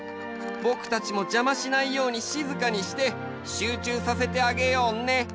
ぼくたちもじゃましないようにしずかにして集中させてあげようね。